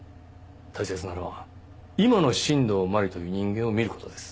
大切なのは今の新道真理という人間を見る事です。